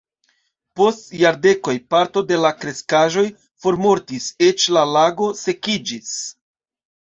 Post jardekoj parto de la kreskaĵoj formortis, eĉ la lago sekiĝis.